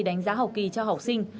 đánh giá học kỳ cho học sinh